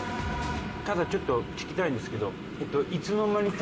ただちょっと聞きたいんですけどふふふ